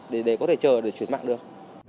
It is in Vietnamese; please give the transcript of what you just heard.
để có thể chờ để chuyển mạng được